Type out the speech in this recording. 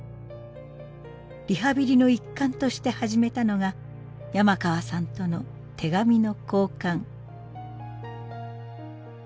リハビリの一環として始めたのが山川さんとの手紙の交換。